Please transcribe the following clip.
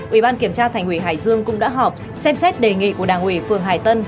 ủy ban kiểm tra thành ủy hải dương cũng đã họp xem xét đề nghị của đảng ủy phường hải tân